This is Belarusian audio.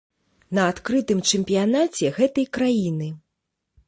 На адкрытым чэмпіянаце гэтай краіны.